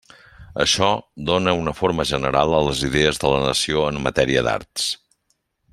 Això dóna una forma general a les idees de la nació en matèria d'arts.